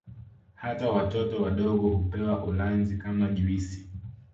Hata watoto wadogo hupewa ulanzi kama juisi